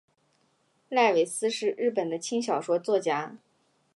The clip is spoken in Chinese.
濑尾司是日本的轻小说作家。